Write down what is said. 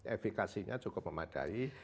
evikasinya cukup memadai